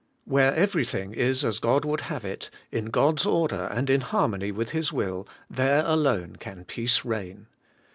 Where everything is as God would have it, in God's order and in har mony with His will, there alone can peace reign.